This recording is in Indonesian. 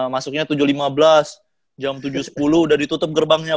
masuknya tujuh lima belas jam tujuh sepuluh udah ditutup gerbangnya